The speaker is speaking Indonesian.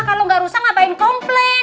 kalau nggak rusak ngapain komplain